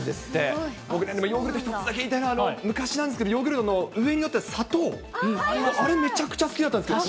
僕、でも、ヨーグルト、一つだけ言いたいのが、昔なんですけど、ヨーグルトの上に載ってる砂糖、あれ、めちゃくちゃ好きだったんですけど。